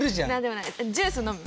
ジュース飲む？